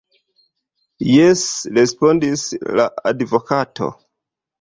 Jes, respondis la advokato.